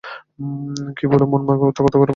কী ভুলো মন মাগো কত করে যে বলে দিলাম আনতে?